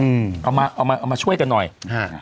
เอามาเอามาเอามาช่วยกันหน่อยฮะ